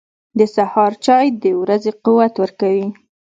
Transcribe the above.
• د سهار چای د ورځې قوت ورکوي.